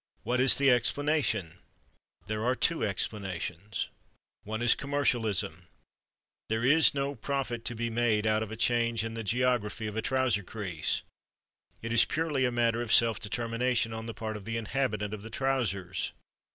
What is the explanation? There are two explanations. One is Commercialism. There is no profit to be made out of a change in the geography of a trouser crease. It is purely a matter of self determination on the part of the inhabitant of the trousers.